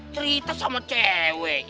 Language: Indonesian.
cerita sama cewek